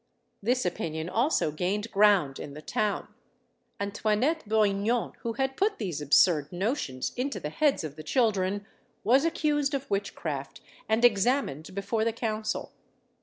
This opinion also gained ground in the town. Antoinette Bourignon, who had put these absurd notions into the heads of the children, was accused of witchcraft, and examined before the council.